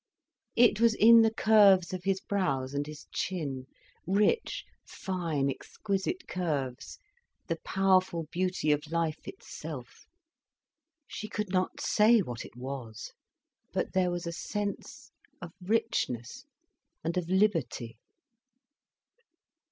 It was in the curves of his brows and his chin, rich, fine, exquisite curves, the powerful beauty of life itself. She could not say what it was. But there was a sense of richness and of liberty.